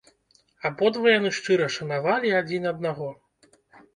Абодва яны шчыра шанавалі адзін аднаго.